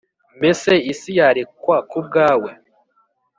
mbese isi yarekwa ku bwawe,